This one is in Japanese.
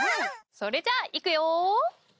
それじゃあいくよ。